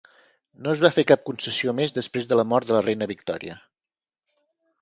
No es va fer cap concessió més després de la mort de la Reina Victòria.